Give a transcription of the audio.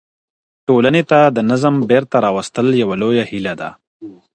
ټولني ته د نظم بیرته راوستل یوه لویه هیله ده.